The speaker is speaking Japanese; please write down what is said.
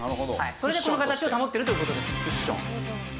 それでこの形を保ってるという事です。